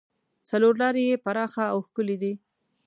څلور لارې یې پراخه او ښکلې دي.